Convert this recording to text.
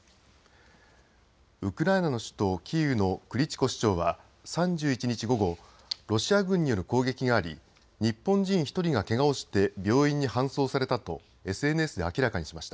ウクライナの首都キーウのクリチコ市長は３１日午後、ロシア軍による攻撃があり日本人１人がけがをして病院に搬送されたとＳＮＳで明らかにしました。